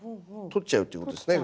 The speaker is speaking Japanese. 取っちゃうっていうことですね。